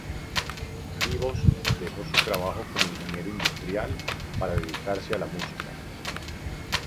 Dibós dejó su trabajo como ingeniero industrial para dedicarse a la música.